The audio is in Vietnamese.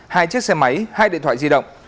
hai chiếc xe máy hai điện thoại di động